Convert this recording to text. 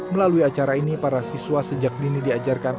melalui acara ini para siswa sejak dini diajarkan